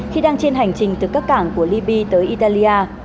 khi đang trên hành trình từ các cảng của libya tới italia